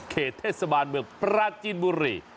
เขตเทศบาลเมืองปราจีนบุรี